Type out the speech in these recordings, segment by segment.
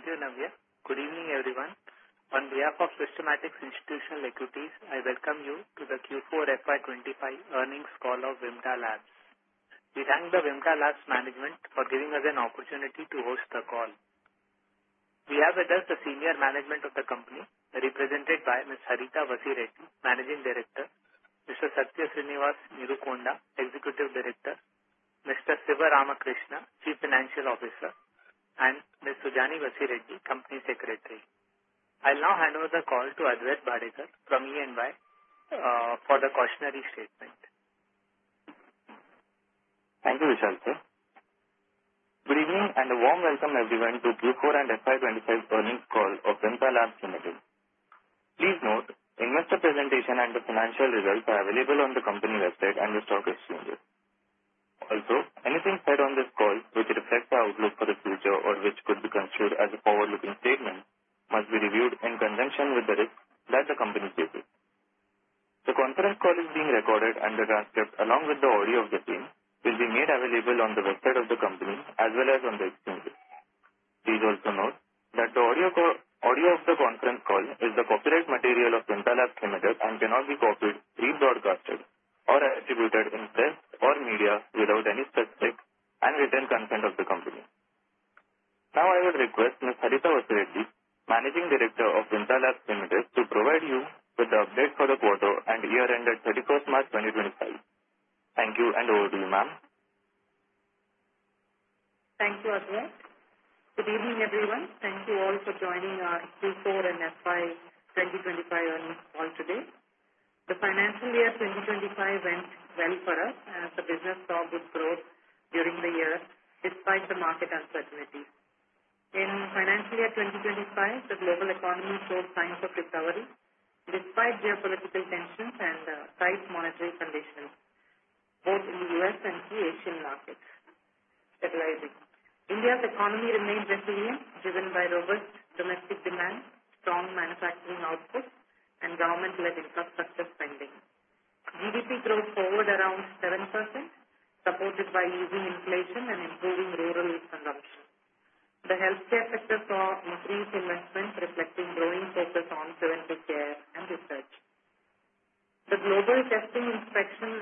Thank you, Navya. Good evening, everyone. On behalf of Systematix Institutional Equities, I welcome you to the Q4 FY2025 Earnings Call of Vimta Labs. We thank the Vimta Labs management for giving us an opportunity to host the call. We have with us the senior management of the company, represented by Ms. Harita Vasireddi, Managing Director, Mr. Satya Sreenivas Neerukonda, Executive Director, Mr. Siva Rama Krishna Kambhampati, Chief Financial Officer, and Ms. Sujani Vasireddi, Company Secretary. I'll now hand over the call to Advait Bhadekar from EY for the cautionary statement. Thank you, Vishal sir. Good evening and a warm welcome, everyone, to Q4 and FY 2025 Earnings Call of Vimta Labs Limited. Please note, investor presentation and the financial results are available on the company website and the stock exchanges. Also, anything said on this call, which reflects our outlook for the future or which could be construed as a forward-looking statement, must be reviewed in conjunction with the risks that the company faces. The conference call is being recorded and the transcript, along with the audio of the team, will be made available on the website of the company as well as on the exchanges. Please also note that the audio of the conference call is the copyright material of Vimta Labs Limited and cannot be copied, rebroadcasted, or attributed in press or media without any specific and written consent of the company. Now, I would request Ms. Harita Vasireddi, Managing Director of Vimta Labs Limited, to provide you with the update for the quarter and year-end at 31 March 2025. Thank you and over to you, ma'am. Thank you, Advait. Good evening, everyone. Thank you all for joining our Q4 and FY25 Earnings Call today. The financial year 2025 went well for us as the business saw good growth during the year despite the market uncertainty. In financial year 2025, the global economy showed signs of recovery despite geopolitical tensions and tight monetary conditions, both in the U.S. and key Asian markets. India's economy remained resilient, driven by robust domestic demand, strong manufacturing output, and government-led infrastructure spending. GDP growth forward around 7%, supported by easing inflation and improving rural consumption. The healthcare sector saw increased investment, reflecting growing focus on preventive care and research. The global testing, inspection,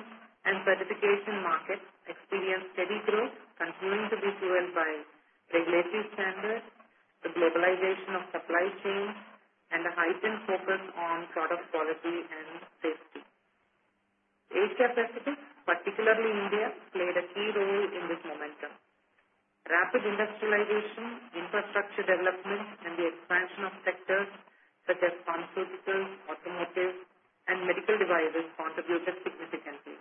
and certification markets experienced steady growth, continuing to be fueled by regulatory standards, the globalization of supply chains, and a heightened focus on product quality and safety. Asia Pacific, particularly India, played a key role in this momentum. Rapid industrialization, infrastructure development, and the expansion of sectors such as pharmaceuticals, automotive, and medical devices contributed significantly.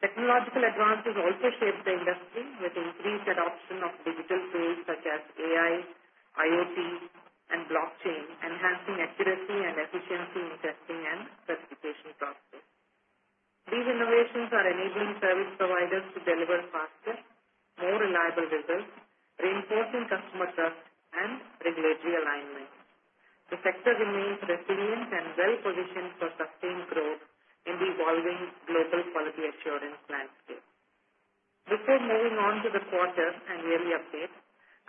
Technological advances also shaped the industry, with increased adoption of digital tools such as AI, IoT, and blockchain, enhancing accuracy and efficiency in testing and certification processes. These innovations are enabling service providers to deliver faster, more reliable results, reinforcing customer trust and regulatory alignment. The sector remains resilient and well-positioned for sustained growth in the evolving global quality assurance landscape. Before moving on to the quarter and yearly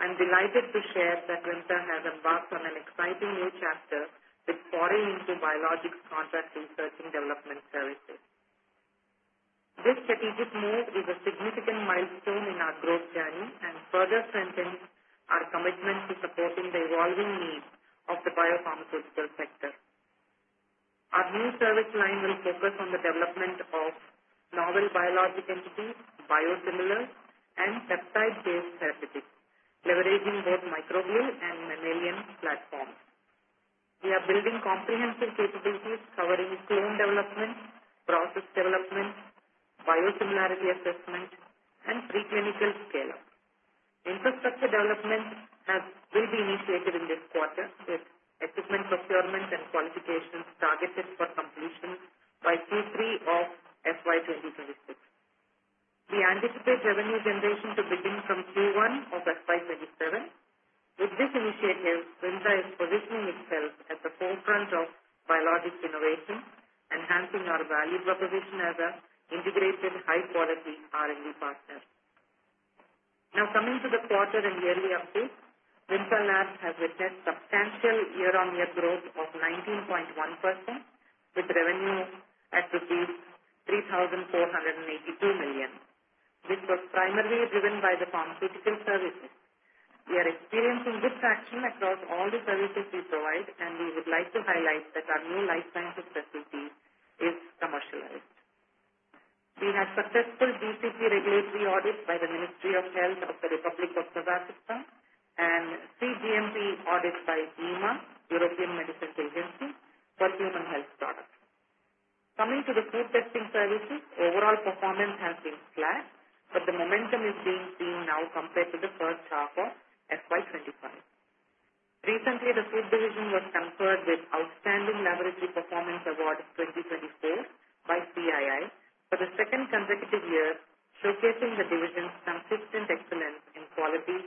updates, I'm delighted to share that Vimta has embarked on an exciting new chapter with foray into biologics contract research and development services. This strategic move is a significant milestone in our growth journey and further strengthens our commitment to supporting the evolving needs of the biopharmaceutical sector. Our new service line will focus on the development of novel biologic entities, biosimilars, and peptide-based therapeutics, leveraging both microbial and mammalian platforms. We are building comprehensive capabilities covering clone development, process development, biosimilarity assessment, and preclinical scale-up. Infrastructure development will be initiated in this quarter, with equipment procurement and qualifications targeted for completion by Q3 of FY2026. We anticipate revenue generation to begin from Q1 of FY2027. With this initiative, Vimta is positioning itself at the forefront of biologics innovation, enhancing our value proposition as an integrated high-quality R&D partner. Now, coming to the quarter and yearly updates, Vimta Labs has witnessed substantial year-on-year growth of 19.1%, with revenue at rupees 3,482 million. This was primarily driven by the pharmaceutical services. We are experiencing good traction across all the services we provide, and we would like to highlight that our new life sciences facility is commercialized. We had successful GCP regulatory audits by the Ministry of Health of the Republic of Kazakhstan and cGMP audits by EMA, European Medicines Agency, for human health products. Coming to the food testing services, overall performance has been flat, but the momentum is being seen now compared to the first half of FY2025. Recently, the food division was conferred with Outstanding Laboratory Performance Award 2024 by CII for the second consecutive year, showcasing the division's consistent excellence in quality,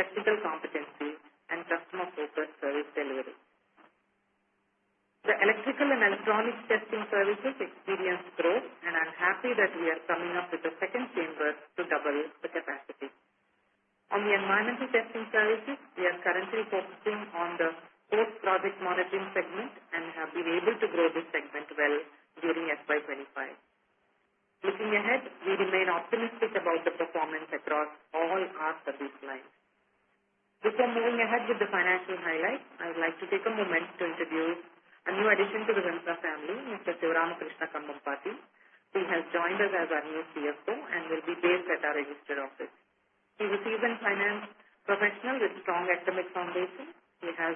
technical competency, and customer-focused service delivery. The electrical and electronics testing services experienced growth, and I'm happy that we are coming up with a second chamber to double the capacity. On the environmental testing services, we are currently focusing on the post-project monitoring segment and have been able to grow this segment well during FY2025. Looking ahead, we remain optimistic about the performance across all our service lines. Before moving ahead with the financial highlights, I would like to take a moment to introduce a new addition to the Vimta family, Mr. Siva Rama Krishna Kambhampati, who has joined us as our new CFO and will be based at our registered office. He's a seasoned finance professional with a strong academic foundation. He has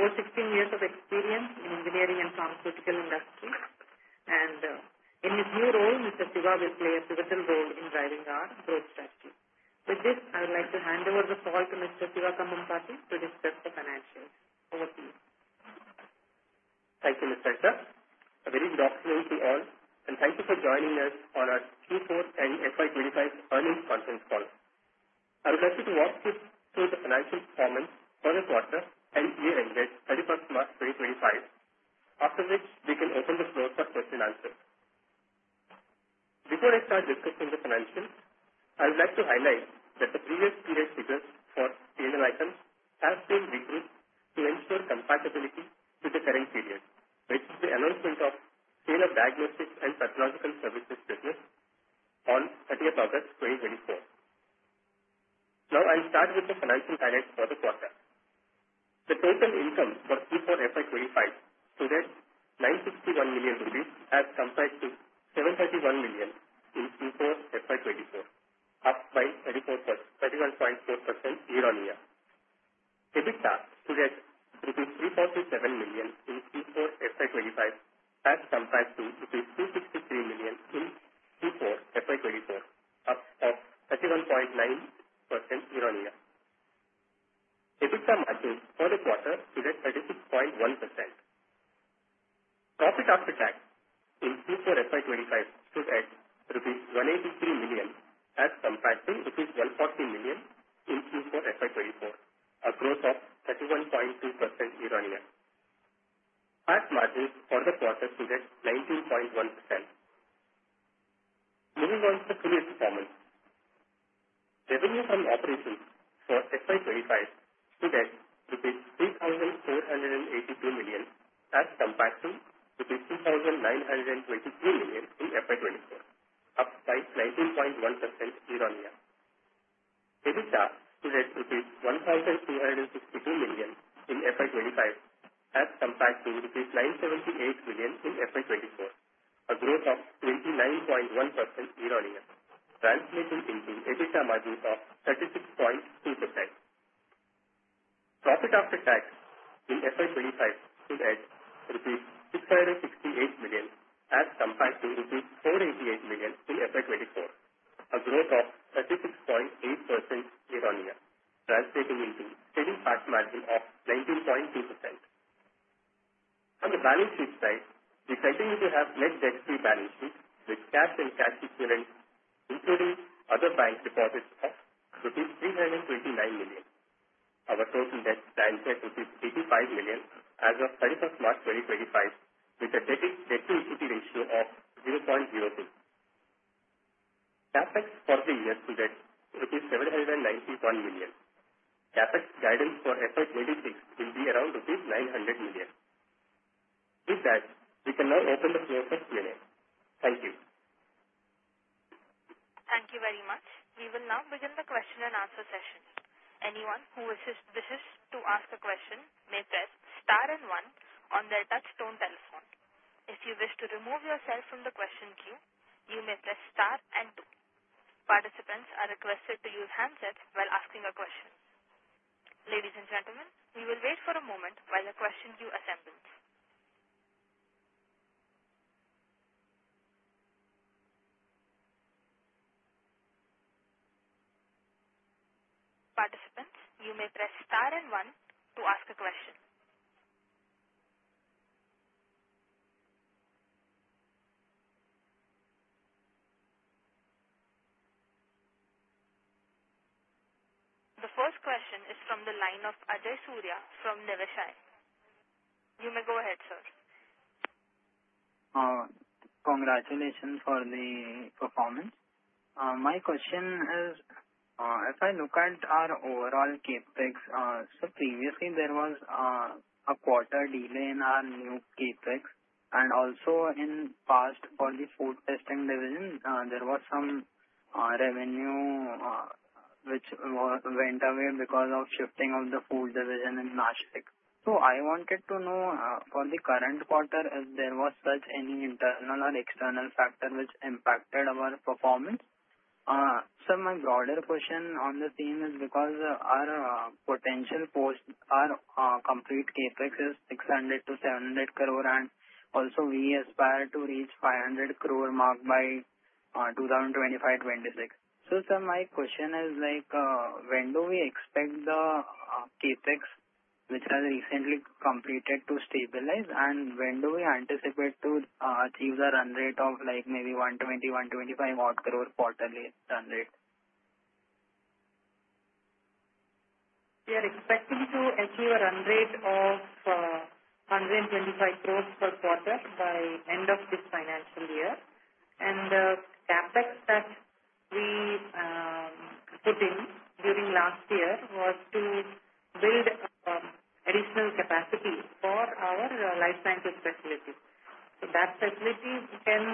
over 16 years of experience in engineering and pharmaceutical industries. In his new role, Mr. Siva will play a pivotal role in driving our growth strategy. With this, I would like to hand over the call to Mr. Siva Kambhampati to discuss the financials. Over to you. Thank you, Ms. Harita A very warm welcome to all, and thank you for joining us on our Q4 and FY25 earnings conference call. I would like you to walk through the financial performance for the quarter and year-end at 31 March 2025, after which we can open the floor for questions and answers. Before I start discussing the financials, I would like to highlight that the previous period figures for certain items have been re-grouped to ensure compatibility with the current period, which is the announcement ofClinical Diagnostics and Pathological Services business on 30 August 2024. Now, I'll start with the financial highlights for the quarter. The total income for Q4 FY25 stood at 961 million rupees as compared to 731 million in Q4 FY24, up by 31.4% year-on-year. EBITDA stood at rupees 347 million in Q4 FY25 as compared to rupees 263 million in Q4 FY24, up of 31.9% year-on-year. EBITDA margin for the quarter stood at 36.1%. Profit after tax in Q4 FY2025 stood at rupees 183 million as compared to rupees 140 million in Q4 FY2024, a growth of 31.2% year-on-year. PAT margin for the quarter stood at 19.1%. Moving on to the two-year performance, revenue from operations for FY2025 stood at 3,482 million as compared to 2,923 million in FY2024, up by 19.1% year-on-year. EBITDA stood at INR 1,262 million in FY2025 as compared to 978 million in FY2024, a growth of 29.1% year-on-year, translating into EBITDA margin of 36.2%. Profit after tax in FY2025 stood at INR 668 million as compared to INR 488 million in FY2024, a growth of 36.8% year-on-year, translating into steady PAT margin of 19.2%. On the balance sheet side, we continue to have net debt-free balance sheet with cash and cash equivalents, including other bank deposits of rupees 329 million. Our total debt stands at rupees 85 million as of 31 March 2025, with a debt-to-equity ratio of 0.02. CapEx for the year stood at INR 791 million. CapEx guidance for FY26 will be around INR 900 million. With that, we can now open the floor for Q&A. Thank you. Thank you very much. We will now begin the question and answer session. Anyone who wishes to ask a question may press Star and 1 on their touchtone telephone. If you wish to remove yourself from the question queue, you may press Star and 2. Participants are requested to use handsets while asking a question. Ladies and gentlemen, we will wait for a moment while the question queue assembles. Participants, you may press Star and 1 to ask a question. The first question is from the line of Ajay Surya from Niveshaay. You may go ahead, sir. Congratulations for the performance. My question is, if I look at our overall CapEx, previously there was a quarter delay in our new CapEx. Also, in the past, for the food testing division, there was some revenue which went away because of shifting of the food division in Nashik. I wanted to know for the current quarter if there was such any internal or external factor which impacted our performance. My broader question on the theme is because our potential post our complete CapEx is 600 crore-700 crore, and also we aspire to reach 500 crore mark by 2025-2026. My question is, when do we expect the CapEx which has recently completed to stabilize, and when do we anticipate to achieve the run rate of maybe 120 crore, INR 125 crore odd quarterly run rate? We are expecting to achieve a run rate of 1.25 billion per quarter by end of this financial year. The CapEx that we put in during last year was to build additional capacity for our life sciences facility. That facility can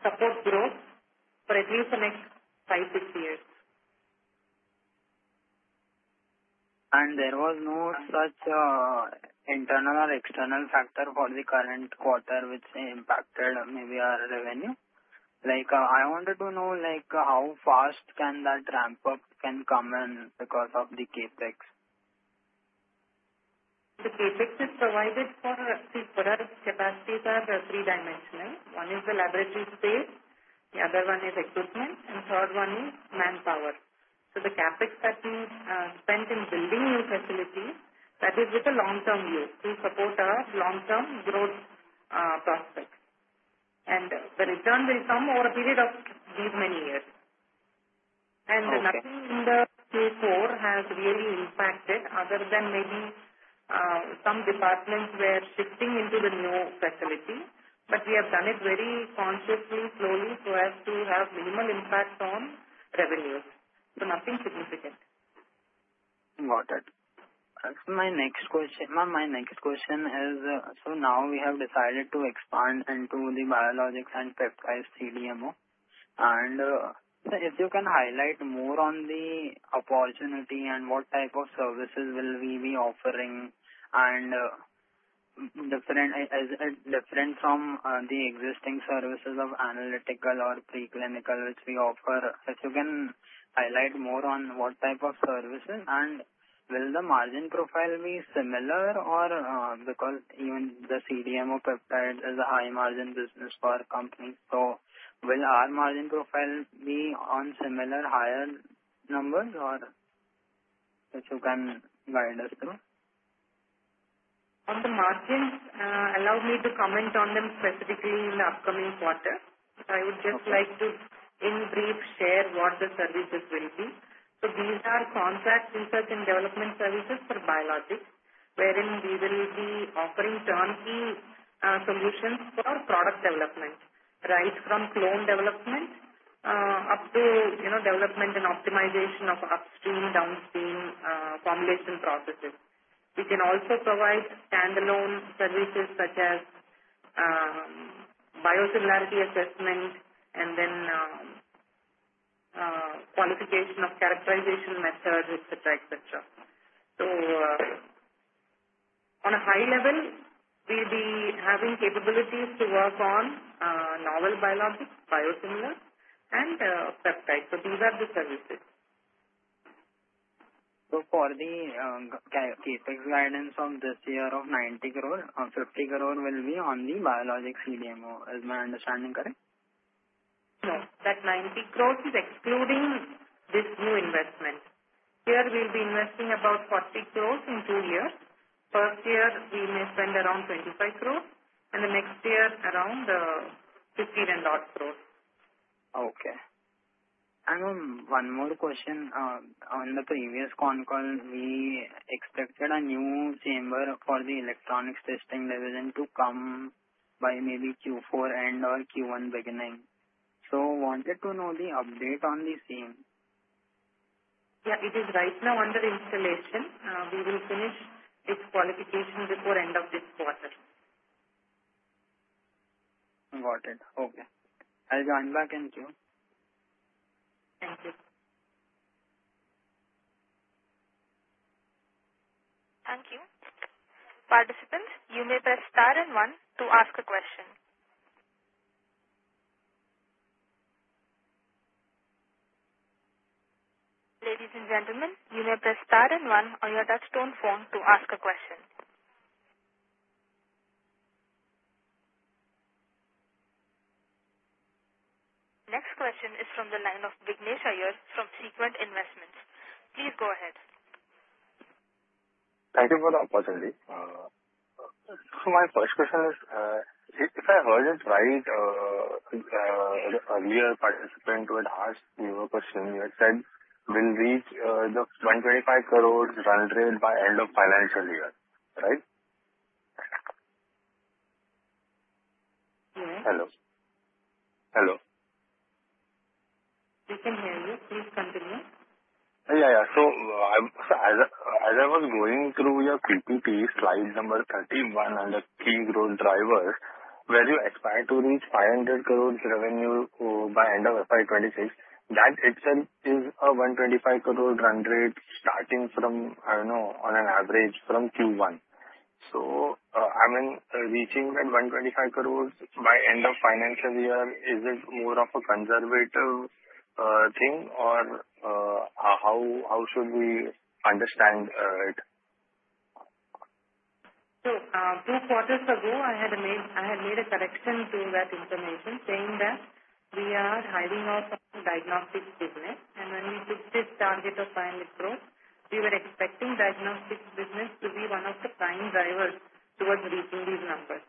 support growth for at least the next five-six years. There was no such internal or external factor for the current quarter which impacted maybe our revenue. I wanted to know how fast can that ramp up can come in because of the CapEx? The CapEx is provided for our capacities are three-dimensional. One is the laboratory space, the other one is equipment, and the third one is manpower. The CapEx that we spent in building new facilities, that is with a long-term view to support our long-term growth prospects. The return will come over a period of these many years. Nothing in the Q4 has really impacted other than maybe some departments were shifting into the new facility. We have done it very consciously, slowly, so as to have minimal impact on revenues. Nothing significant. Got it. My next question is, so now we have decided to expand into the biologics and peptides CDMO. If you can highlight more on the opportunity and what type of services will we be offering and different from the existing services of analytical or preclinical which we offer, if you can highlight more on what type of services and will the margin profile be similar or because even the CDMO peptides is a high-margin business for companies. Will our margin profile be on similar higher numbers or if you can guide us through? On the margins, allow me to comment on them specifically in the upcoming quarter. I would just like to in brief share what the services will be. These are contract research and development services for biologics, wherein we will be offering turnkey solutions for product development, right from clone development up to development and optimization of upstream, downstream formulation processes. We can also provide standalone services such as biosimilarity assessment and then qualification of characterization methods, etc., etc. On a high level, we will be having capabilities to work on novel biologics, biosimilars, and peptides. These are the services. For the CapEx guidance from this year of 90 crore, 50 crore will be on the biologics CDMO, is my understanding correct? No. That 900 million is excluding this new investment. Here we'll be investing about 400 million in two years. First year, we may spend around 250 million, and the next year around 500 million and odd. Okay. One more question. On the previous con call, we expected a new chamber for the electronics testing division to come by maybe Q4 end or Q1 beginning. I wanted to know the update on the same. Yeah, it is right now under installation. We will finish its qualification before end of this quarter. Got it. Okay. I'll join back in too. Thank you. Thank you. Participants, you may press Star and 1 to ask a question. Ladies and gentlemen, you may press Star and 1 on your touchtone phone to ask a question. Next question is from the line of Vignesh Iyer from Sequent Investments. Please go ahead. Thank you for the opportunity. My first question is, if I heard it right, the earlier participant who had asked you a question, you had said we will reach the 1.25 billion run rate by end of financial year, right? Yes. Hello. Hello. We can hear you. Please continue. Yeah, yeah. As I was going through your PPT, slide number 31 on the key growth drivers, where you expect to reach 500 crore revenue by end of FY2026, that itself is a 125 crore run rate starting from, I don't know, on an average from Q1. I mean, reaching that 125 crore by end of financial year, is it more of a conservative thing or how should we understand it? Two quarters ago, I had made a correction to that information, saying that we are hiving out some diagnostics business. When we took this target of 500 crore, we were expecting diagnostics business to be one of the prime drivers towards reaching these numbers.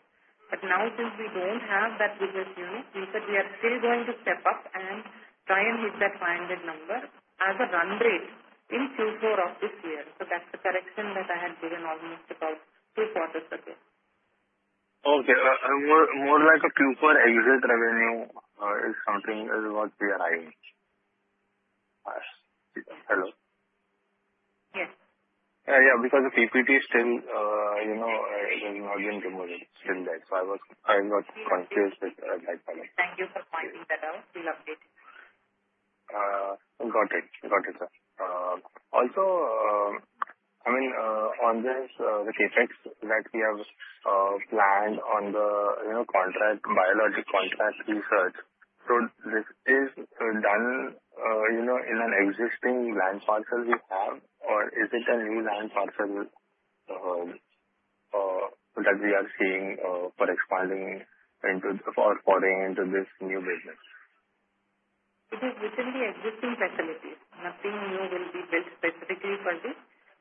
Now, since we do not have that business unit, we said we are still going to step up and try and hit that 500 number as a run rate in Q4 of this year. That is the correction that I had given almost about two quarters ago. Okay. More like a Q4 exit revenue is something what we are hiring. Hello. Yes. Yeah, because the PPT still has not been removed. It is still there. I got confused with that part. Thank you for pointing that out. We will update it. Got it. Got it, sir. Also, I mean, on the CapEx that we have planned on the contract, biologic contract research, so this is done in an existing land parcel we have, or is it a new land parcel that we are seeing for expanding into or foraying into this new business? It is within the existing facilities. Nothing new will be built specifically for this.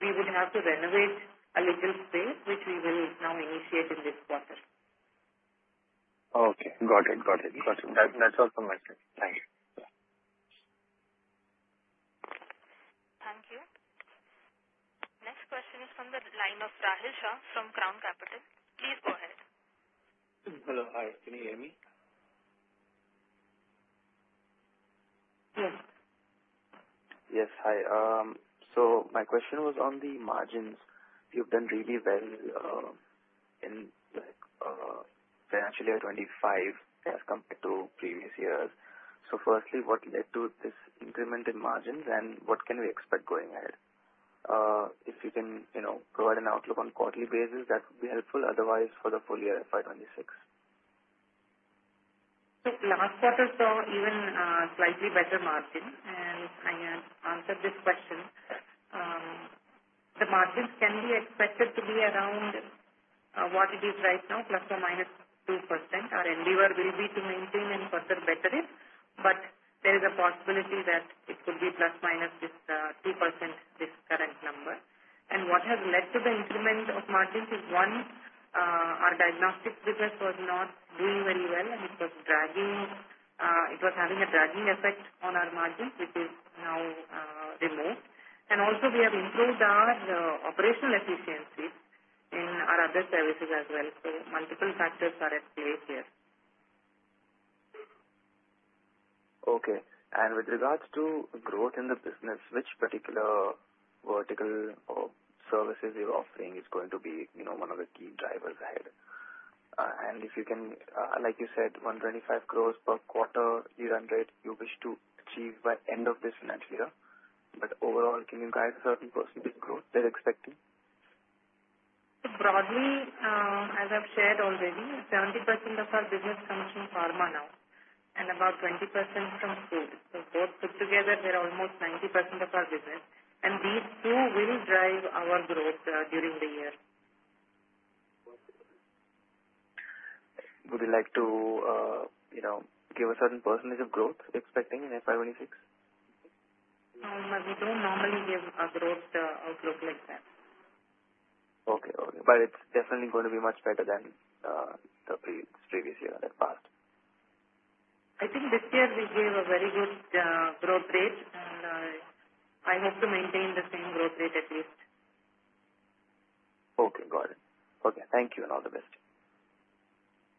We would have to renovate a little space, which we will now initiate in this quarter. Okay. Got it. Got it. Got it. That's all from my side. Thank you. Thank you. Next question is from the line of Rahil Shah from Crown Capital. Please go ahead. Hello. Hi. Can you hear me? Yes. Hi. My question was on the margins. You've done really well in financial year 2025 as compared to previous years. Firstly, what led to this increment in margins, and what can we expect going ahead? If you can provide an outlook on a quarterly basis, that would be helpful. Otherwise, for the full year 2026. Last quarter saw even slightly better margins. I had answered this question. The margins can be expected to be around what it is right now, plus or minus 2%. Our endeavor will be to maintain and further better it. There is a possibility that it could be plus minus 2% this current number. What has led to the increment of margins is, one, our diagnostics business was not doing very well, and it was having a dragging effect on our margins, which is now removed. Also, we have improved our operational efficiencies in our other services as well. Multiple factors are at play here. Okay. With regards to growth in the business, which particular vertical or services you are offering is going to be one of the key drivers ahead? If you can, like you said, 125 crore per quarter year end rate, you wish to achieve by end of this financial year. Overall, can you guide a certain % growth you are expecting? Broadly, as I've shared already, 70% of our business comes from pharma now and about 20% from food. Both put together, they're almost 90% of our business. These two will drive our growth during the year. Would you like to give a certain percentage of growth expecting in FY 2026? We don't normally give a growth outlook like that. Okay. Okay. It is definitely going to be much better than the previous year that passed. I think this year we gave a very good growth rate, and I hope to maintain the same growth rate at least. Okay. Got it. Okay. Thank you and all the best.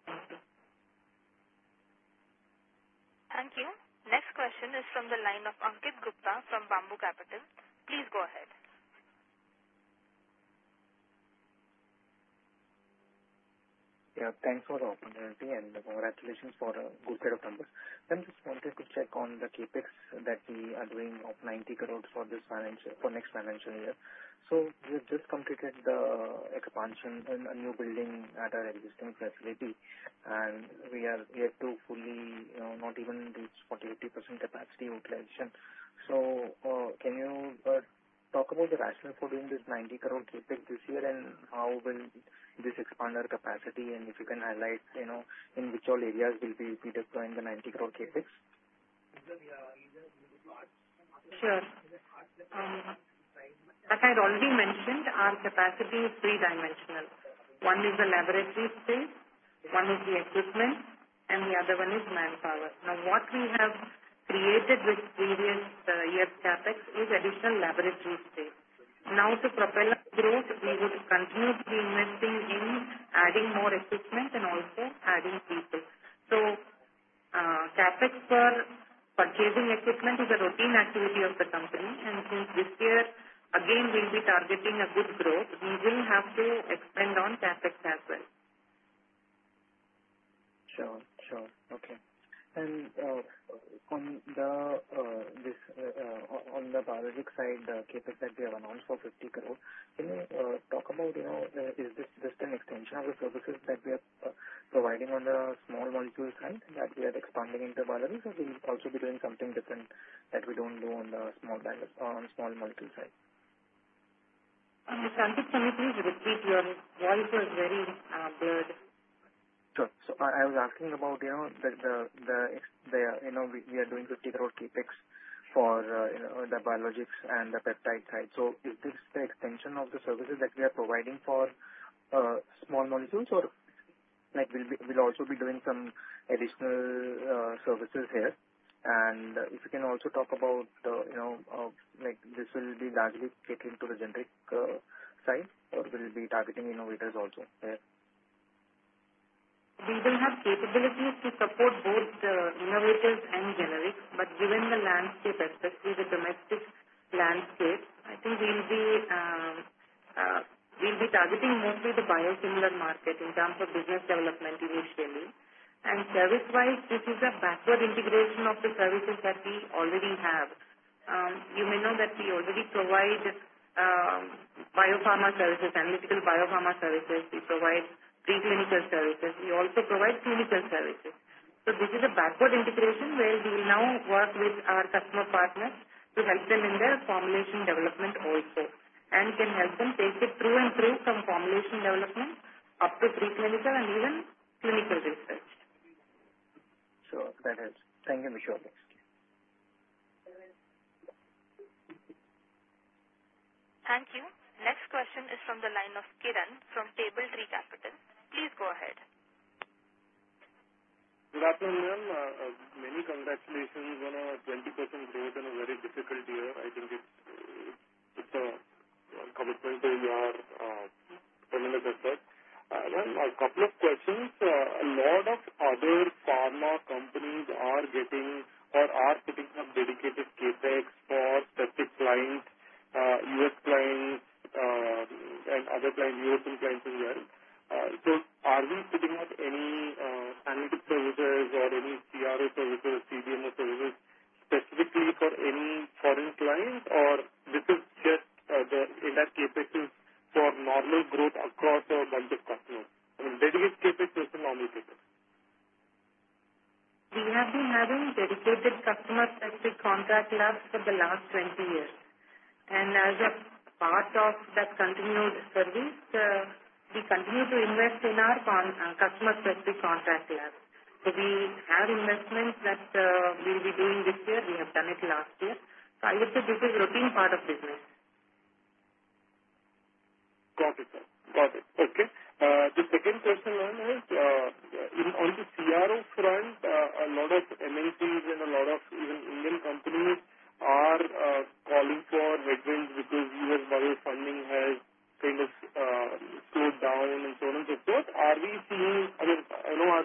Thank you. Thank you. Next question is from the line of Ankit Gupta from Bamboo Capital. Please go ahead. Yeah. Thanks for the opportunity and congratulations for a good set of numbers. I'm just wanting to check on the CapEx that we are doing of 900 million for this next financial year. We have just completed the expansion in a new building at our existing facility, and we are yet to fully not even reach 40-50% capacity utilization. Can you talk about the rationale for doing this 900 million CapEx this year and how will this expand our capacity and if you can highlight in which all areas will we be deploying the 900 million CapEx? Sure. Like I already mentioned, our capacity is three-dimensional. One is the laboratory space, one is the equipment, and the other one is manpower. Now, what we have created with previous year's CapEx is additional laboratory space. Now, to propel our growth, we would continue to be investing in adding more equipment and also adding people. CapEx for purchasing equipment is a routine activity of the company. Since this year, again, we'll be targeting a good growth, we will have to expand on CapEx as well. Sure. Sure. Okay. On the biologic side, the CapEx that we have announced for 50 crore, can you talk about is this just an extension of the services that we are providing on the small molecule side that we are expanding into biologics, or will we also be doing something different that we do not do on the small molecule side? I'm sorry. Can you please repeat your voice? It was very blurred. Sure. I was asking about the we are doing 500 million CapEx for the biologics and the peptide side. Is this the extension of the services that we are providing for small molecules, or will we also be doing some additional services here? If you can also talk about this, will it be largely catering to the generic side or will we be targeting innovators also there? We will have capabilities to support both innovators and generics. Given the landscape, especially the domestic landscape, I think we'll be targeting mostly the biosimilar market in terms of business development initially. Service-wise, this is a backward integration of the services that we already have. You may know that we already provide biopharma services, analytical biopharma services. We provide preclinical services. We also provide clinical services. This is a backward integration where we will now work with our customer partners to help them in their formulation development also and can help them take it through and through from formulation development up to preclinical and even clinical research. Sure. That helps. Thank you, Ms. Harita. Thank you. Next question is from the line of Kiran from Table Tree Capital. Please go ahead. Good afternoon, ma'am. Many congratulations on a 20% growth in a very difficult year. I think it's a commitment to your earlier effort. A couple of questions. A lot of other pharma companies are getting or are putting up dedicated CapEx for specific clients, US clients, and other clients, European clients as well. Are we putting up any analytic services or any CRO services, CDMO services specifically for any foreign clients, or this is just the inner CapEx for normal growth across a bunch of customers? I mean, dedicated CapEx versus normal CapEx. We have been having dedicated customer-specific contract labs for the last 20 years. As a part of that continued service, we continue to invest in our customer-specific contract labs. We have investments that we will be doing this year. We have done it last year. I would say this is a routine part of business. Got it, sir. Got it. Okay. The second question, ma'am, is on the CRO front, a lot of MNCs and a lot of even Indian companies are calling for headwinds because US model funding has kind of slowed down and so on and so forth. Are we seeing, I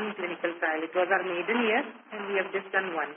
clinical trial. It was our maiden year, and we have just done one.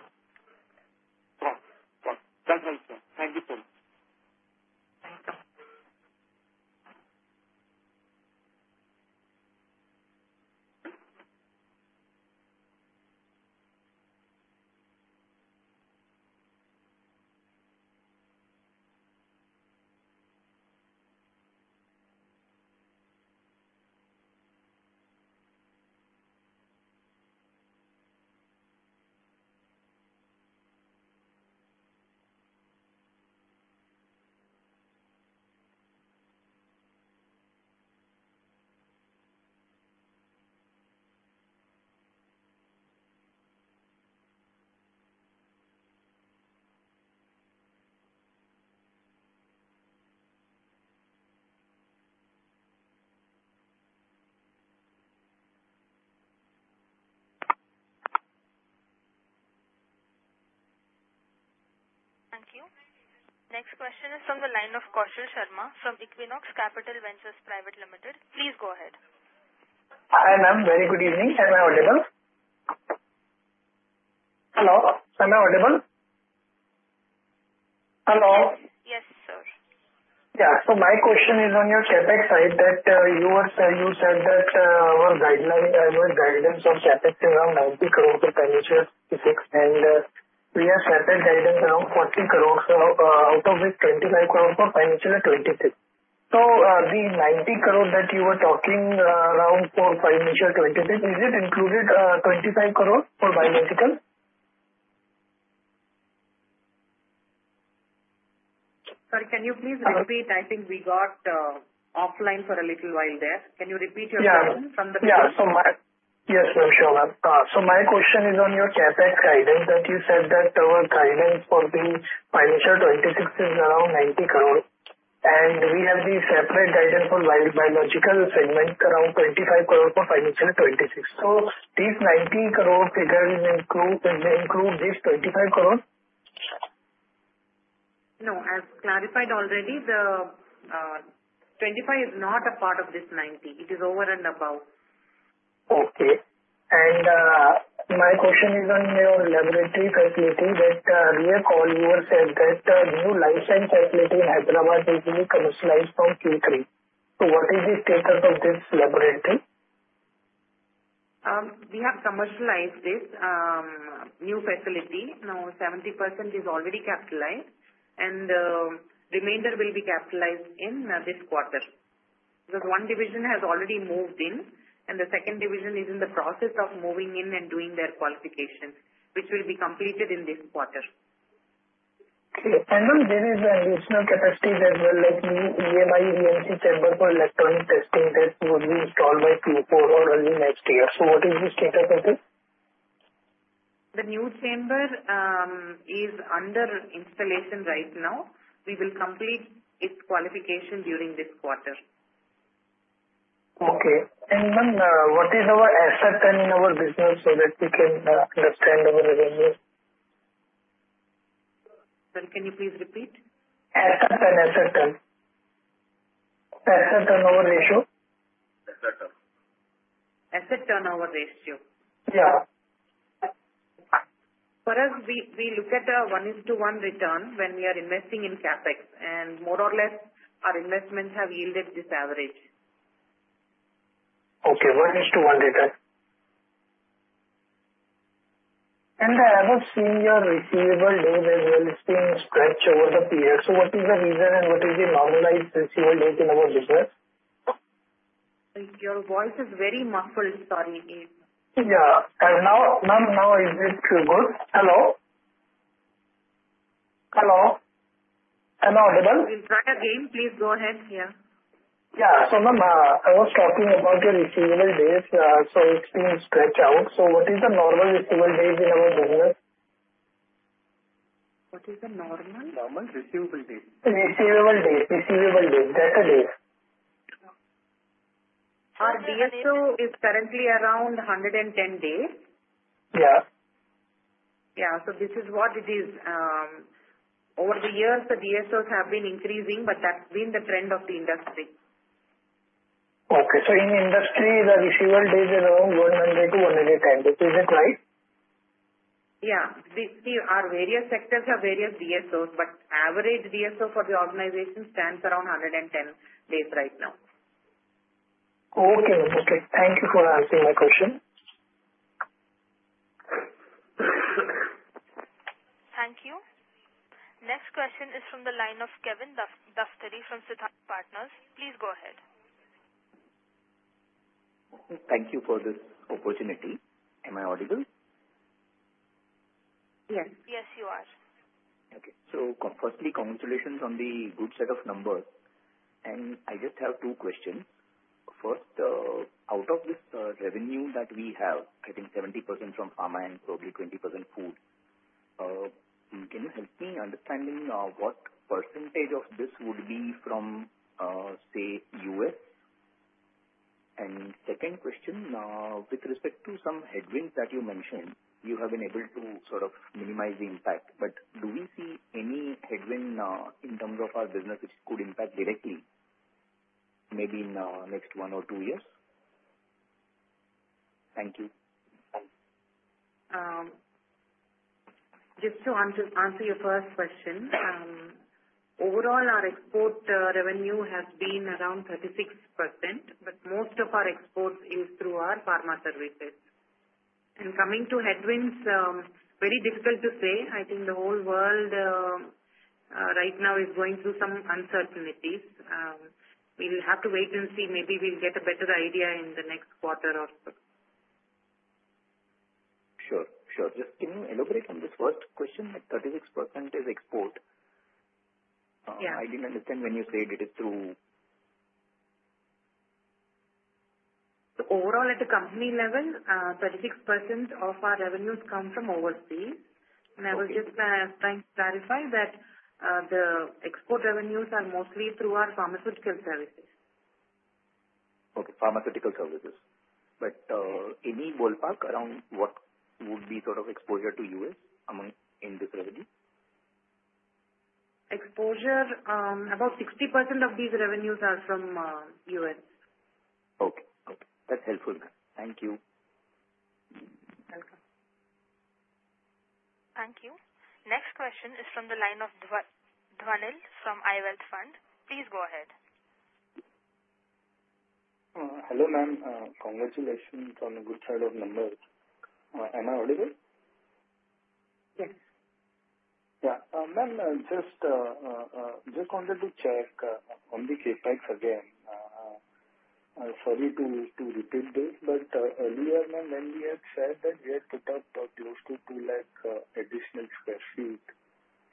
Got it. Got it. That helps, ma'am. Thank you so much. Thank you. Thank you. Next question is from the line of Kaushal Sharma from Equinox Capital Ventures Private Limited. Please go ahead. Hi, ma'am. Very good evening. Am I audible? Hello. Am I audible? Hello. Yes. Yes, sir. Yeah. My question is on your CapEx side that you said that our guidelines on CapEx is around INR 90 crore for financial year 2026, and we have separate guidelines around INR 40 crore, out of which 25 crore for financial year 2026. The 90 crore that you were talking around for financial year 2026, is it included INR 25 crore for biomedical? Sorry, can you please repeat? I think we got offline for a little while there. Can you repeat your question from the beginning? Yeah. Yes, ma'am. Sure. My question is on your CapEx guidelines that you said that our guidelines for the financial year 2026 is around 90 crore, and we have the separate guidelines for biological segment around 25 crore for financial year 2026. This 90 crore figure will include this 25 crore? No. As clarified already, the 25 is not a part of this 90. It is over and above. Okay. My question is on your laboratory facility that we have called you or said that new life science facility in Hyderabad is being commercialized from Q3. What is the status of this laboratory? We have commercialized this new facility. Now, 70% is already capitalized, and the remainder will be capitalized in this quarter. Because one division has already moved in, and the second division is in the process of moving in and doing their qualification, which will be completed in this quarter. There is an additional capacity that will let new EMI/EMC chamber for electronic testing that will be installed by Q4 or early next year. What is the status of this? The new chamber is under installation right now. We will complete its qualification during this quarter. Okay. Ma'am, what is our asset and our business so that we can understand our revenue? Can you please repeat? Asset and asset turnover ratio. Asset turnover. Asset turnover ratio. Yeah. For us, we look at a 1:1 return when we are investing in CapEx. More or less, our investments have yielded this average. Okay. One-to-one return. I have seen your receivable days as well as being stretched over the period. What is the reason and what is the normalized receivable days in our business? Your voice is very muffled. Sorry. Yeah. Now, is it good? Hello. Hello? Am I audible? We'll try again. Please go ahead. Yeah. Yeah. Ma'am, I was talking about your receivable days, so it's being stretched out. What is the normal receivable days in our business? What is the normal? Normal receivable date? Receivable date. Data date. Our DSO is currently around 110 days. Yeah. Yeah. This is what it is. Over the years, the DSOs have been increasing, but that's been the trend of the industry. Okay. In industry, the receivable days are around 100-110. Is it right? Yeah. Our various sectors have various DSOs, but average DSO for the organization stands around 110 days right now. Okay. Okay. Thank you for asking my question. Thank you. Next question is from the line of Kevin Daftary from Siddhant Partners. Please go ahead. Thank you for this opportunity. Am I audible? Yes. Yes, you are. Firstly, congratulations on the good set of numbers. I just have two questions. First, out of this revenue that we have, I think 70% from pharma and probably 20% food, can you help me understanding what percentage of this would be from, say, US? Second question, with respect to some headwinds that you mentioned, you have been able to sort of minimize the impact, but do we see any headwind in terms of our business which could impact directly, maybe in the next one or two years? Thank you. Thanks. Just to answer your first question, overall, our export revenue has been around 36%, but most of our exports is through our pharma services. Coming to headwinds, very difficult to say. I think the whole world right now is going through some uncertainties. We will have to wait and see. Maybe we'll get a better idea in the next quarter or so. Sure. Sure. Just can you elaborate on this first question? 36% is export. I did not understand when you said it is through. Overall, at the company level, 36% of our revenues come from overseas. I was just trying to clarify that the export revenues are mostly through our pharmaceutical services. Okay. Pharmaceutical services. Any ballpark around what would be sort of exposure to US in this revenue? Exposure, about 60% of these revenues are from US. Okay. Okay. That's helpful, ma'am. Thank you. Welcome. Thank you. Next question is from the line of Dhwanil from iWealth Fund. Please go ahead. Hello, ma'am. Congratulations on a good set of numbers. Am I audible? Yes. Yeah. Ma'am, just wanted to check on the CapEx again. Sorry to repeat this, but earlier, ma'am, when we had said that we had put up close to 200,000 additional sq ft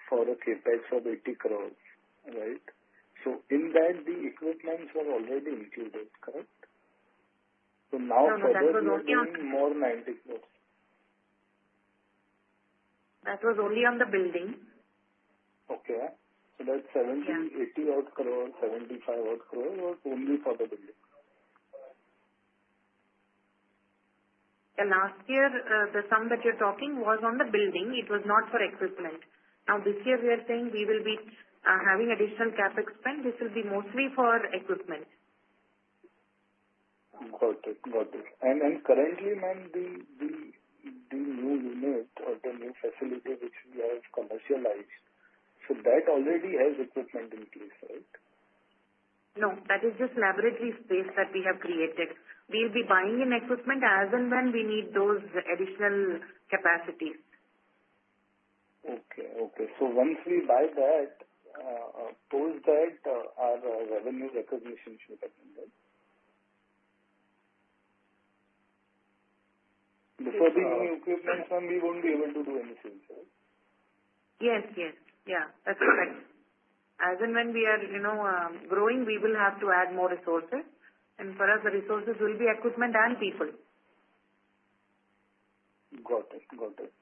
for a CapEx of 800 million, right? In that, the equipment was already included, correct? Now for the building, more INR 900 million. That was only on the building. That's 70 crore-80 crore, 75 crore was only for the building. Last year, the sum that you're talking was on the building. It was not for equipment. Now, this year, we are saying we will be having additional CapEx spent. This will be mostly for equipment. Got it. Got it. Currently, ma'am, the new unit or the new facility which we have commercialized, that already has equipment in place, right? No. That is just laboratory space that we have created. We'll be buying in equipment as and when we need those additional capacities. Okay. Okay. Once we buy that, post that, our revenue recognition should happen, right? Before the new equipment, ma'am, we won't be able to do anything, right? Yes. Yes. Yeah. That's correct. As and when we are growing, we will have to add more resources. For us, the resources will be equipment and people. Got it. Got it.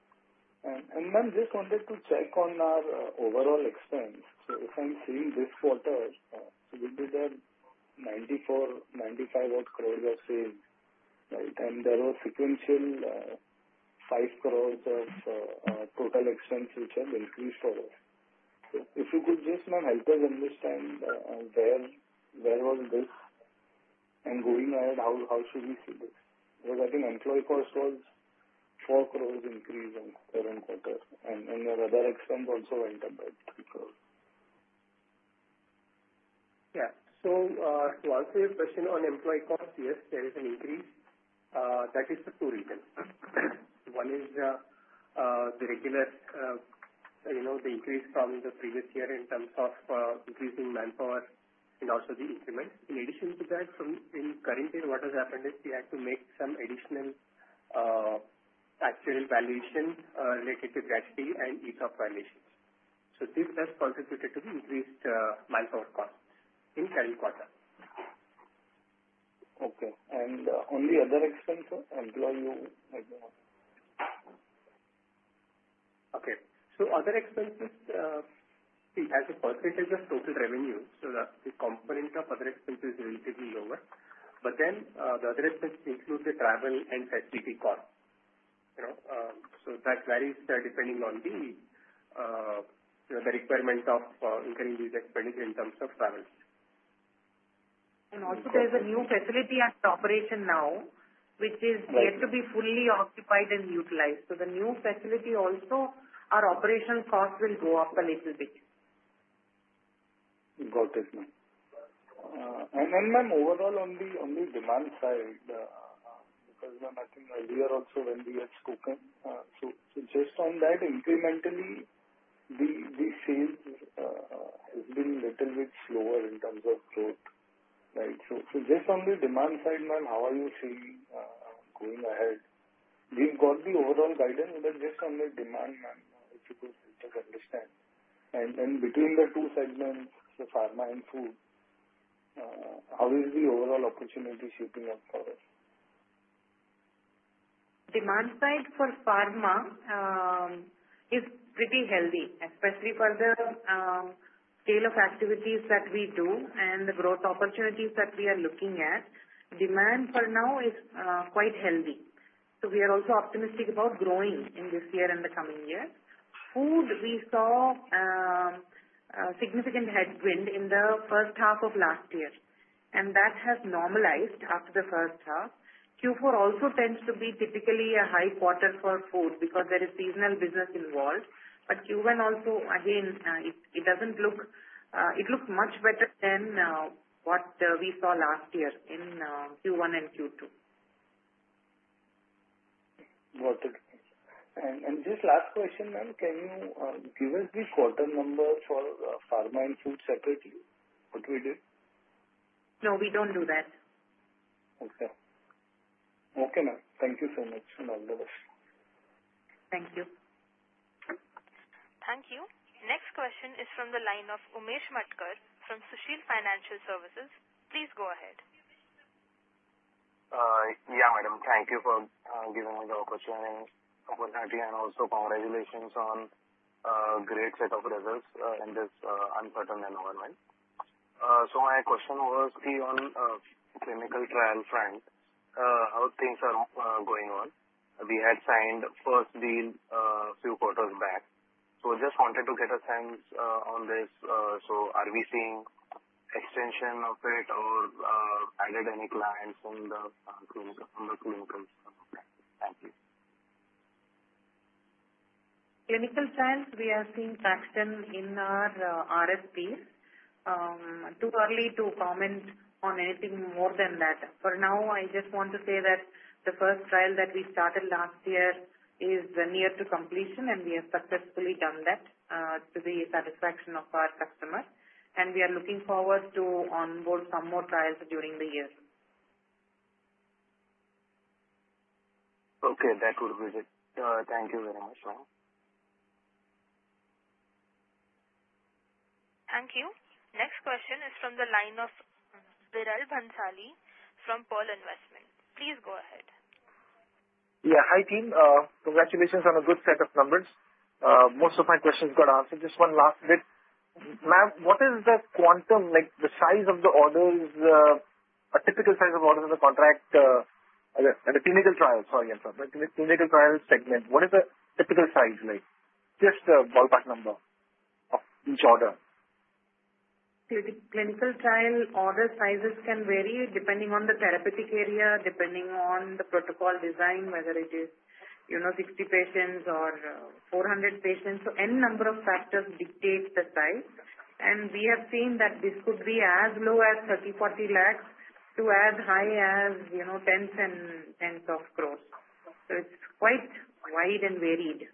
Ma'am, just wanted to check on our overall expense. If I'm seeing this quarter, we did have 950 million of saved, right? There were sequential 50 million of total expense which have increased for us. If you could just, ma'am, help us understand where was this and going ahead, how should we see this? I think employee cost was 40 million increase quarter on quarter. Then other expense also went up by INR 20 million. Yeah. To answer your question on employee cost, yes, there is an increase. That is for two reasons. One is the regular increase from the previous year in terms of increasing manpower and also the increments. In addition to that, in current year, what has happened is we had to make some additional actual valuation related to gratuity and ESOP valuations. This has contributed to the increased manpower costs in current quarter. Okay. On the other expense, employee? Okay. Other expenses, it has a percentage of total revenue. The component of other expenses is a little bit lower. The other expenses include the travel and facility costs. That varies depending on the requirement of increasing these expenditures in terms of travel. There is a new facility at operation now, which is yet to be fully occupied and utilized. The new facility also, our operation costs will go up a little bit. Got it, ma'am. Ma'am, overall, on the demand side, because ma'am, I think earlier also when we had spoken, just on that, incrementally, the sales has been a little bit slower in terms of growth, right? Just on the demand side, ma'am, how are you seeing going ahead? We've got the overall guidance, but just on the demand, ma'am, if you could just understand. Between the two segments, the pharma and food, how is the overall opportunity shaping up for us? Demand side for pharma is pretty healthy, especially for the scale of activities that we do and the growth opportunities that we are looking at. Demand for now is quite healthy. We are also optimistic about growing in this year and the coming years. Food, we saw significant headwind in the first half of last year, and that has normalized after the first half. Q4 also tends to be typically a high quarter for food because there is seasonal business involved. Q1 also, again, it looks much better than what we saw last year in Q1 and Q2. Got it. Just last question, ma'am, can you give us the quarter numbers for pharma and food separately? What we did? No, we don't do that. Okay. Okay, ma'am. Thank you so much. All the best. Thank you. Thank you. Next question is from the line of Umesh Matkar from Sushil Financial Services. Please go ahead. Yeah, madam. Thank you for giving me the opportunity and also congratulations on a great set of results in this uncertain environment. My question was, on the clinical trial front, how things are going on? We had signed the first deal a few quarters back. I just wanted to get a sense on this. Are we seeing extension of it or added any clients in the clinicals? Thank you. Clinical trials, we are seeing traction in our RFPs. Too early to comment on anything more than that. For now, I just want to say that the first trial that we started last year is near to completion, and we have successfully done that to the satisfaction of our customers. We are looking forward to onboard some more trials during the year. Okay. That would be great. Thank you very much, ma'am. Thank you. Next question is from the line of Viral Bhansali from Pearl Investment. Please go ahead. Yeah. Hi, team. Congratulations on a good set of numbers. Most of my questions got answered. Just one last bit. Ma'am, what is the quantum, the size of the orders, a typical size of orders in the contract, the clinical trial? Sorry, I'm sorry. The clinical trial segment, what is the typical size? Just a ballpark number of each order. Clinical trial order sizes can vary depending on the therapeutic area, depending on the protocol design, whether it is 60 patients or 400 patients. Any number of factors dictate the size. We have seen that this could be as low as 3,000,000-4,000,000 to as high as tens and tens of crores. It is quite wide and varied.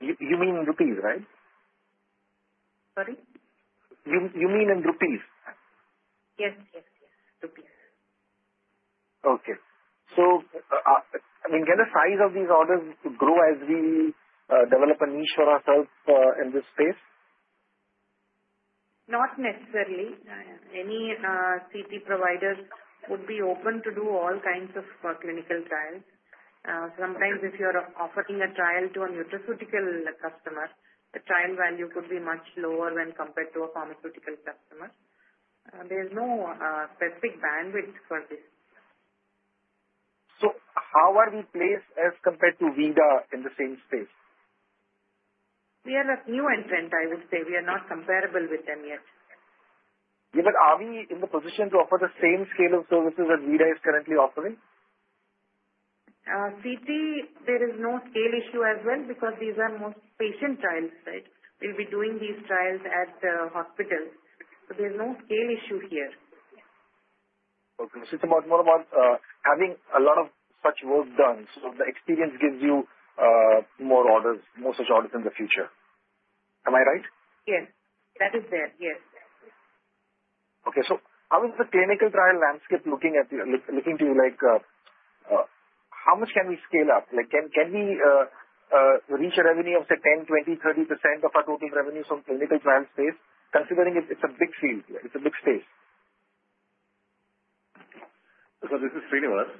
You mean in rupees, right? Sorry? You mean in rupees? Yes. Yes. Yes. Rupees. Okay. I mean, can the size of these orders grow as we develop a niche for ourselves in this space? Not necessarily. Any CT providers would be open to do all kinds of clinical trials. Sometimes if you're offering a trial to a nutraceutical customer, the trial value could be much lower when compared to a pharmaceutical customer. There's no specific bandwidth for this. How are we placed as compared to Vimta in the same space? We are a new entrant, I would say. We are not comparable with them yet. Yeah, are we in the position to offer the same scale of services as Vimta is currently offering? CT, there is no scale issue as well because these are most patient trials, right? We'll be doing these trials at the hospitals. There is no scale issue here. Okay. It is more about having a lot of such work done. The experience gives you more orders, more such orders in the future. Am I right? Yes, that is there. Yes. Okay. How is the clinical trial landscape looking to you? How much can we scale up? Can we reach a revenue of, say, 10%, 20%, 30% of our total revenues from clinical trial space, considering it's a big field? It's a big space. This is Sreenivas.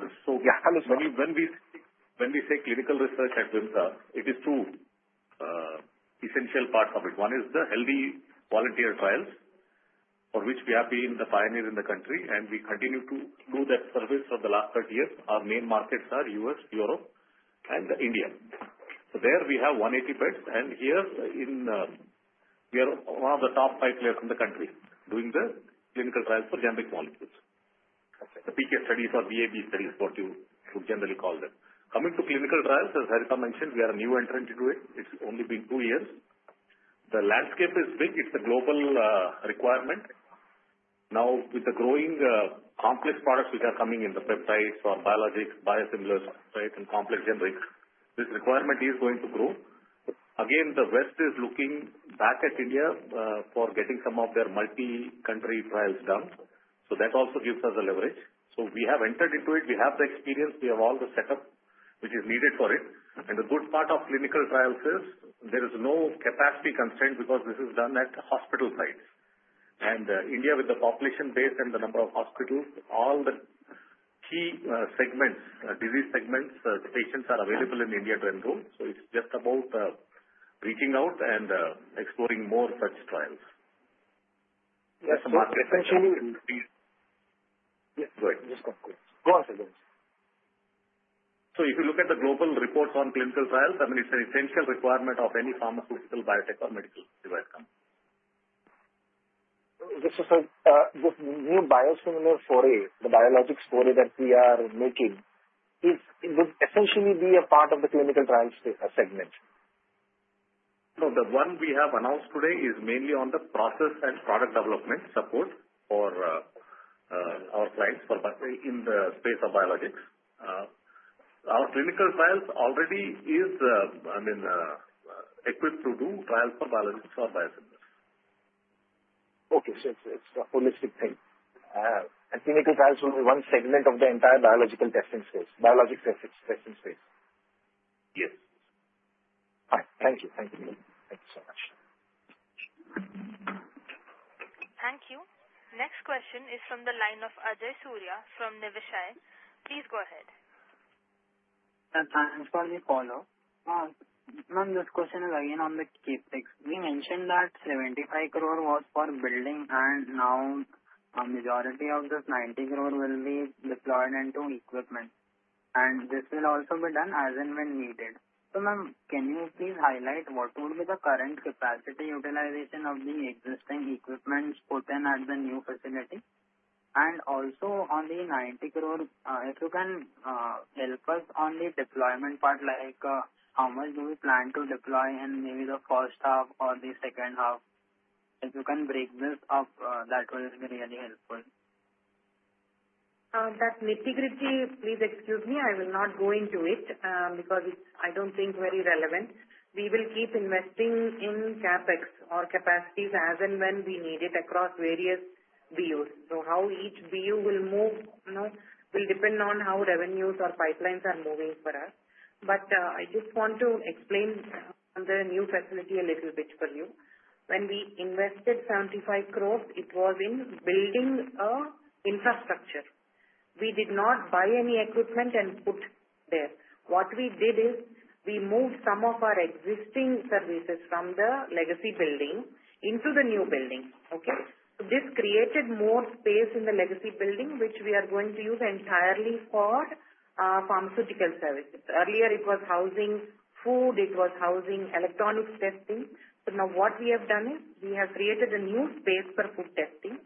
Yeah. Hello, sir. When we say clinical research at Vimta, it is two essential parts of it. One is the healthy volunteer trials, for which we have been the pioneers in the country, and we continue to do that service for the last 30 years. Our main markets are US, Europe, and India. There we have 180 beds. Here, we are one of the top five players in the country doing the clinical trials for generic molecules. The PK studies or BA/BE studies, what you generally call them. Coming to clinical trials, as Harita mentioned, we are a new entrant into it. It's only been two years. The landscape is big. It's a global requirement. Now, with the growing complex products which are coming in the peptides or biologics, biosimilars, right, and complex generics, this requirement is going to grow. Again, the West is looking back at India for getting some of their multi-country trials done. That also gives us a leverage. We have entered into it. We have the experience. We have all the setup which is needed for it. The good part of clinical trials is there is no capacity constraint because this is done at hospital sites. India, with the population base and the number of hospitals, all the key segments, disease segments, the patients are available in India to enroll. It is just about reaching out and exploring more such trials. Yes. Essentially. Yes. Go ahead. Go ahead. Go ahead. If you look at the global reports on clinical trials, I mean, it's an essential requirement of any pharmaceutical, biotech, or medical device. This is a new biosimilar for the biologics 4A that we are making. It would essentially be a part of the clinical trial segment. The one we have announced today is mainly on the process and product development support for our clients in the space of biologics. Our clinical trials already is, I mean, equipped to do trials for biologics or biosimilars. Okay. It's a holistic thing. And clinical trials will be one segment of the entire biological testing space, biologics testing space? Yes. All right. Thank you. Thank you so much. Thank you. Next question is from the line of Ajay Surya from Niveshaay. Please go ahead. I'm sorry, Paulo. Ma'am, this question is again on the CapEx. We mentioned that 75 crore was for building, and now a majority of this 90 crore will be deployed into equipment. This will also be done as and when needed. Ma'am, can you please highlight what would be the current capacity utilization of the existing equipment put in at the new facility? Also, on the 90 crore, if you can help us on the deployment part, like how much do we plan to deploy in maybe the first half or the second half? If you can break this up, that will be really helpful. That nitty-gritty, please excuse me. I will not go into it because I do not think it is very relevant. We will keep investing in CapEx or capacities as and when we need it across various BUs. How each BU will move will depend on how revenues or pipelines are moving for us. I just want to explain the new facility a little bit for you. When we invested 750 million, it was in building infrastructure. We did not buy any equipment and put there. What we did is we moved some of our existing services from the legacy building into the new building. This created more space in the legacy building, which we are going to use entirely for pharmaceutical services. Earlier, it was housing food. It was housing electronics testing. What we have done is we have created a new space for food testing,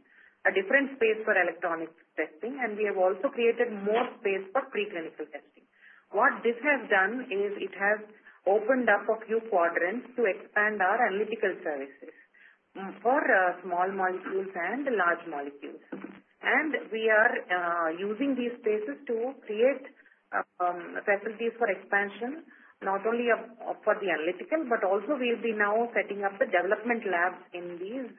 a different space for electronics testing, and we have also created more space for preclinical testing. What this has done is it has opened up a few quadrants to expand our analytical services for small molecules and large molecules. We are using these spaces to create facilities for expansion, not only for the analytical, but also we'll be now setting up the development labs in these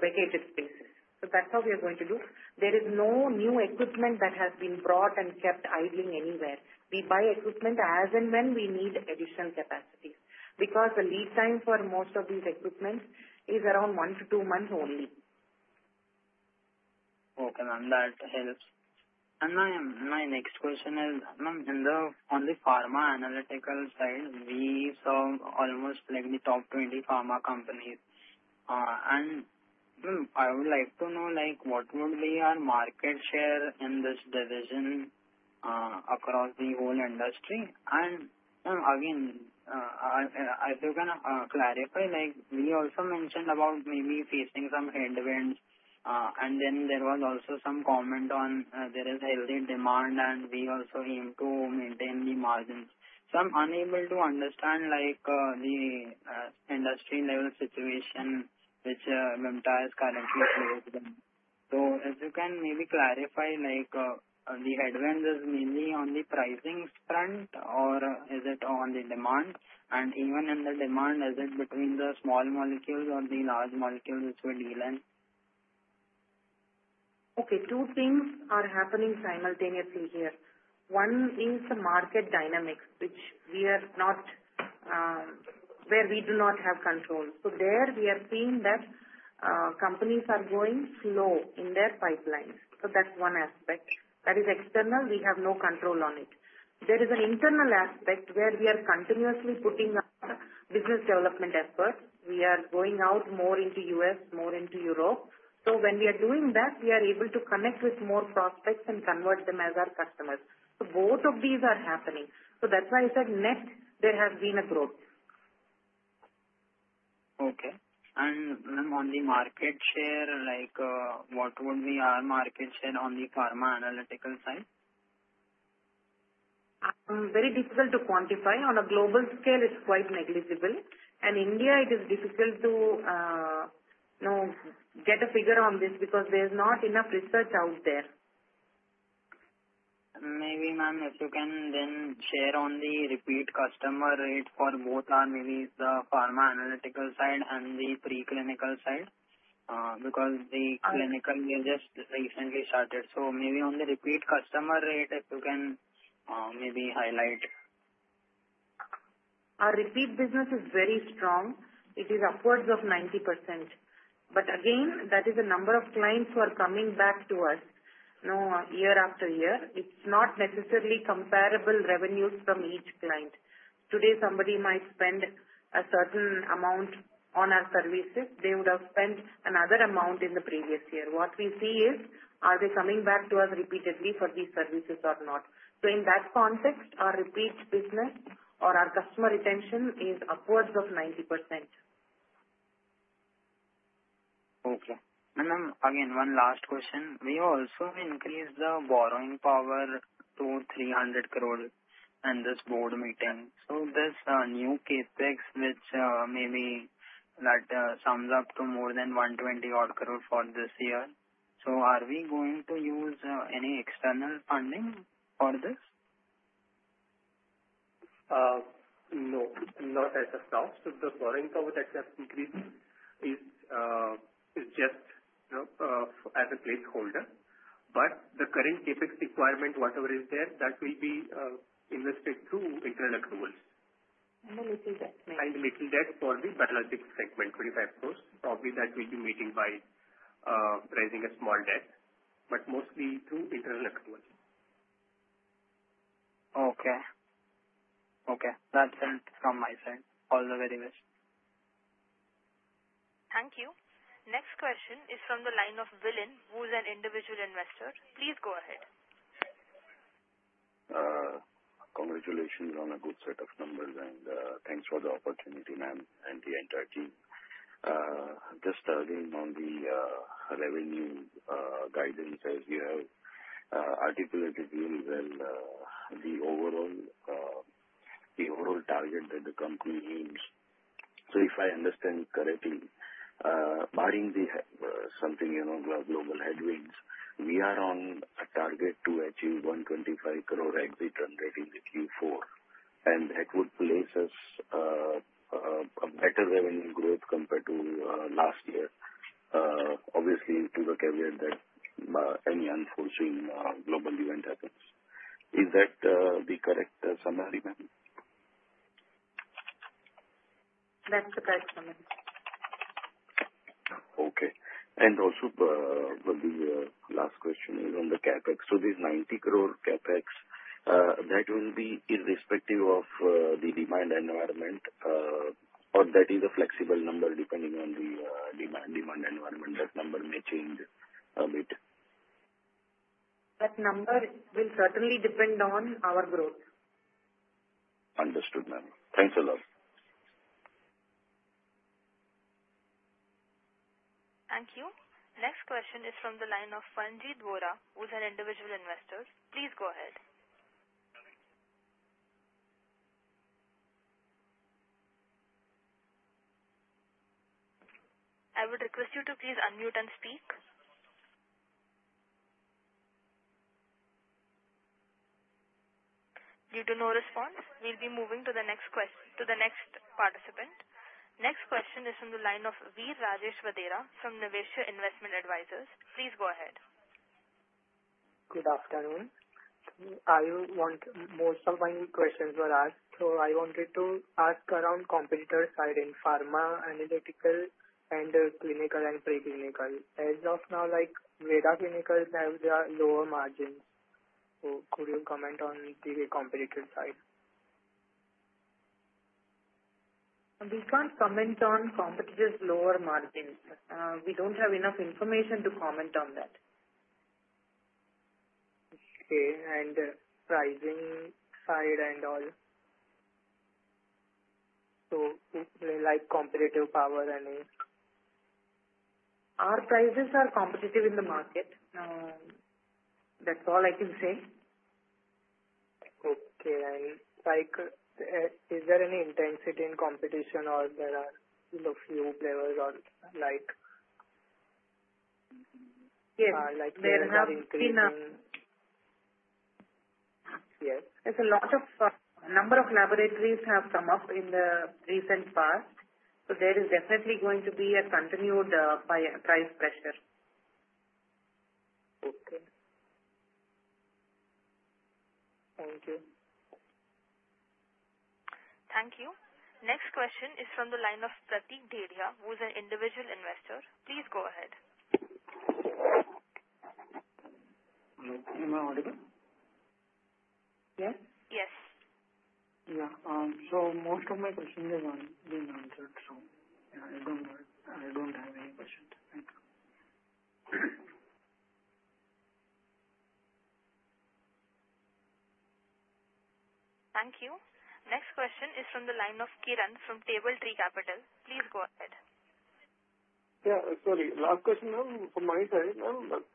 vacated spaces. That's how we are going to do. There is no new equipment that has been brought and kept idling anywhere. We buy equipment as and when we need additional capacity because the lead time for most of these equipments is around one to two months only. Okay. That helps. My next question is, ma'am, in the only pharma analytical side, we saw almost the top 20 pharma companies. I would like to know what would be our market share in this division across the whole industry. If you can clarify, we also mentioned about maybe facing some headwinds. There was also some comment on there is healthy demand, and we also aim to maintain the margins. I'm unable to understand the industry-level situation which Vimta is currently facing. If you can maybe clarify, the headwind is mainly on the pricing front, or is it on the demand? Even in the demand, is it between the small molecules or the large molecules which we're dealing? Okay. Two things are happening simultaneously here. One is the market dynamics, which we are not where we do not have control. There we are seeing that companies are going slow in their pipelines. That is one aspect. That is external. We have no control on it. There is an internal aspect where we are continuously putting up business development efforts. We are going out more into the US, more into Europe. When we are doing that, we are able to connect with more prospects and convert them as our customers. Both of these are happening. That is why I said net, there has been a growth. Okay. Ma'am, on the market share, what would be our market share on the pharma analytical side? Very difficult to quantify. On a global scale, it's quite negligible. In India, it is difficult to get a figure on this because there's not enough research out there. Maybe, ma'am, if you can then share on the repeat customer rate for both, maybe the pharma analytical side and the preclinical side because the clinical we just recently started. Maybe on the repeat customer rate, if you can maybe highlight. Our repeat business is very strong. It is upwards of 90%. That is the number of clients who are coming back to us year after year. It's not necessarily comparable revenues from each client. Today, somebody might spend a certain amount on our services. They would have spent another amount in the previous year. What we see is, are they coming back to us repeatedly for these services or not? In that context, our repeat business or our customer retention is upwards of 90%. Okay. Ma'am, again, one last question. We also increased the borrowing power to 300 crore in this board meeting. There is a new CapEx which maybe that sums up to more than 120 crore for this year. Are we going to use any external funding for this? No. Not as a stock. The borrowing power that has increased is just as a placeholder. The current CapEx requirement, whatever is there, that will be invested through internal approvals. The little debt, ma'am. The little debt for the biologics segment, 250 million. Probably that will be meeting by raising a small debt, but mostly through internal approvals. Okay. Okay. That's it from my side. All the very best. Thank you. Next question is from the line of Vilin, who is an individual investor. Please go ahead. Congratulations on a good set of numbers, and thanks for the opportunity, ma'am, and the entire team. Just starting on the revenue guidance, as you have articulated really well, the overall target that the company aims. If I understand correctly, barring something like global headwinds, we are on a target to achieve 1.25 billion exit and rating Q4. That would place us at better revenue growth compared to last year, obviously with the caveat that any unforeseen global event happens. Is that the correct summary, ma'am? That's the correct summary. Okay. Also, the last question is on the CapEx. This 90 crore CapEx, that will be irrespective of the demand environment, or that is a flexible number depending on the demand environment. That number may change a bit. That number will certainly depend on our growth. Understood, ma'am. Thanks a lot. Thank you. Next question is from the line of Tanvi Vora, who is an individual investor. Please go ahead. I would request you to please unmute and speak. Due to no response, we'll be moving to the next participant. Next question is from the line of Veer Rajesh Vadera from Niveshaay Investment Advisors. Please go ahead. Good afternoon. Most of my questions were asked, so I wanted to ask around competitor side in pharma analytical and clinical and preclinical. As of now, Veeda Clinical has lower margins. Could you comment on the competitor side? We can't comment on competitors' lower margins. We don't have enough information to comment on that. Okay. Pricing side and all? Competitive power and any? Our prices are competitive in the market. That's all I can say. Okay. Is there any intensity in competition, or are there few players? Yes. There have been. Yes. There are a lot of laboratories that have come up in the recent past. There is definitely going to be continued price pressure. Okay. Thank you. Thank you. Next question is from the line of Pratik Kedia, who is an individual investor. Please go ahead. Am I audible? Yes? Yes. Yeah. Most of my questions have been answered, so I don't have any questions. Thank you. Thank you. Next question is from the line of Kiran from Table Tree Capital. Please go ahead. Yeah. Sorry. Last question from my side.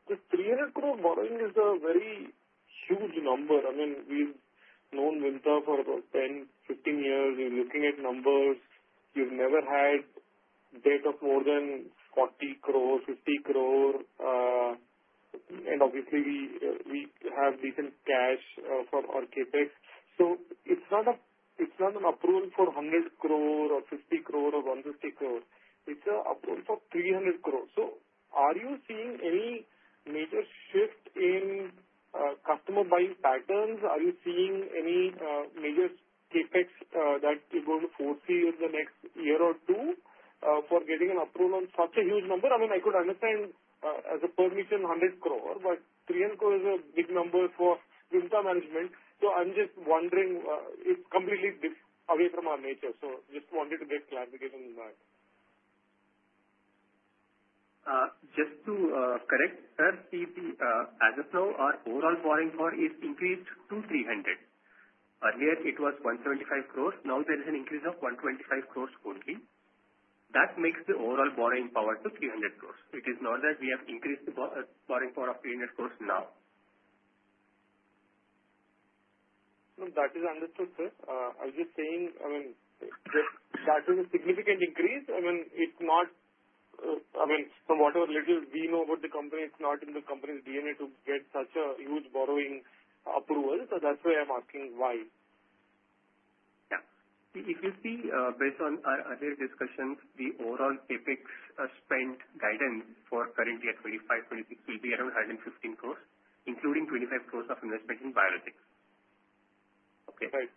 The 300 crore borrowing is a very huge number. I mean, we've known Vimta for about 10, 15 years. We're looking at numbers. We've never had a debt of more than 40 crore, 50 crore. Obviously, we have decent cash for our CapEx. It's not an approval for 100 crore or 50 crore or 150 crore. It's an approval for 300 crore. Are you seeing any major shift in customer buying patterns? Are you seeing any major CapEx that you're going to foresee in the next year or two for getting an approval on such a huge number? I mean, I could understand as a permission, 100 crore, but 300 crore is a big number for Vimta management. I'm just wondering. It's completely away from our nature. Just wanted to get clarification on that. Just to correct, sir, as of now, our overall borrowing power is increased to 300 crore. Earlier, it was 175 crore. Now, there is an increase of 125 crore only. That makes the overall borrowing power to 300 crore. It is not that we have increased the borrowing power of 300 crore now. That is understood, sir. I was just saying, I mean, that is a significant increase. I mean, it's not, I mean, from whatever little we know about the company, it's not in the company's DNA to get such a huge borrowing approval. That's why I'm asking why. Yeah. If you see, based on earlier discussions, the overall CapEx spend guidance for current year 2025-2026 will be around 115 crore, including 25 crore of investment in biologics. Okay? Right.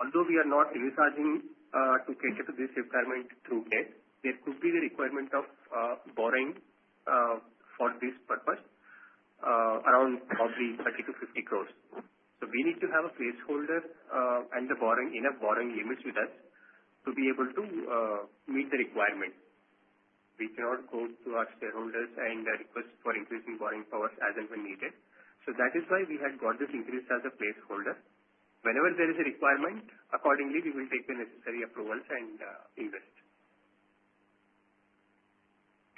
Although we are not recharging to cater to this requirement through debt, there could be the requirement of borrowing for this purpose around 30-50 crore. We need to have a placeholder and enough borrowing limits with us to be able to meet the requirement. We cannot go to our shareholders and request for increasing borrowing powers as and when needed. That is why we had got this increased as a placeholder. Whenever there is a requirement, accordingly, we will take the necessary approvals and invest.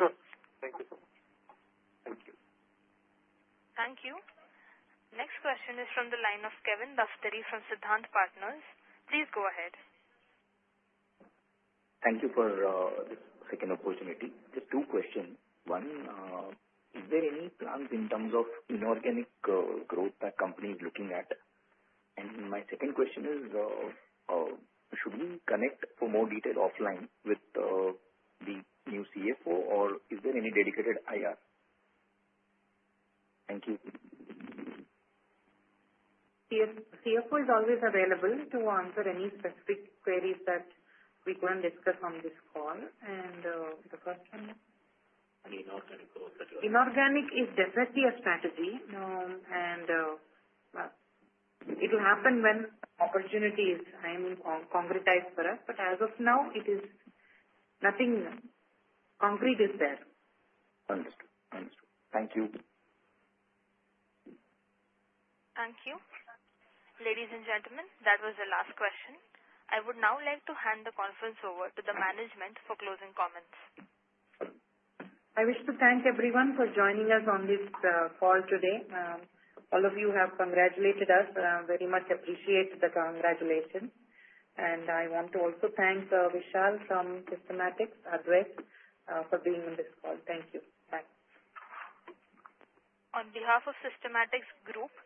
Sure. Thank you. Thank you. Thank you. Next question is from the line of Kevin Daftary from Siddhant Partners. Please go ahead. Thank you for this second opportunity. Just two questions. One, is there any plans in terms of inorganic growth that company is looking at? My second question is, should we connect for more detail offline with the new CFO, or is there any dedicated IR? Thank you. CFO is always available to answer any specific queries that we can discuss on this call. The first one is. I mean, inorganic growth that you're talking about. Inorganic is definitely a strategy. It will happen when opportunities are concretized for us. As of now, nothing concrete is there. Understood. Understood. Thank you. Thank you. Ladies and gentlemen, that was the last question. I would now like to hand the conference over to the management for closing comments. I wish to thank everyone for joining us on this call today. All of you have congratulated us. I very much appreciate the congratulations. I want to also thank Vishal from Systematix Institutional Equities for being on this call. Thank you. Bye. On behalf of Systematix Institutional Equities.